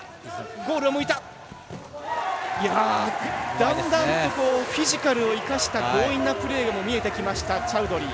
だんだんとフィジカルを生かした強引なプレーも見えてきたチャウドリー。